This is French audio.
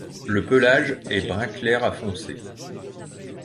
Le pelage est brun clair à foncé.